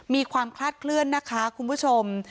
มีความคลาดเคลื่อนนะคะคุณผู้ชม